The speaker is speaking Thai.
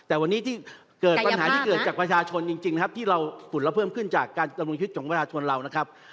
อันนี้ที่เกิดปัญหาที่เกิดจากประชาชนจริงที่เราสุดแล้วเพิ่มขึ้นจากการจำนวนคิดจงประชาชนเรานะครับ